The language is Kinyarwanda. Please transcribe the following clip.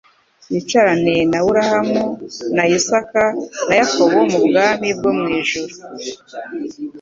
bicarane na Aburahamu na Isaka na Yakobo mu bwami bwo mu ijuru.'-»